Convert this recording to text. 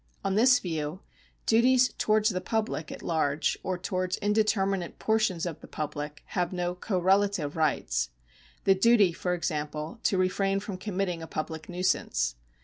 On this view, duties towards the public at large or towards indeterminate portions of the public have no correlative rights ; the duty, for example, to refrain from committing a public nuisance.